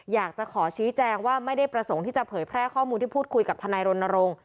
อยากจะขอชี้แจงว่าไม่ได้ประสงค์ที่จะเผยแพร่ข้อมูลที่พูดคุยกับทนายรณรงค์